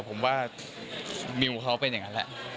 ผมว่าวิวเขาเป็นอย่างนั้นแหละ